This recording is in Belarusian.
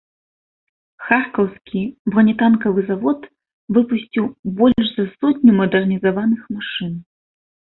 Харкаўскі бронетанкавы завод выпусціў больш за сотню мадэрнізаваных машын.